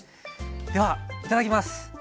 ではいただきます。